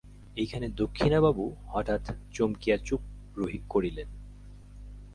এইখানে দক্ষিণাবাবু হঠাৎ থমকিয়া চুপ করিলেন।